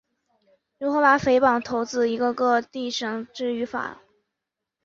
如何把匪帮头子一个个地绳之于法？